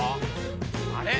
あれ？